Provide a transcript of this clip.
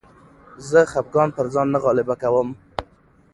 زه خپګان پر ځان نه غالبه کوم.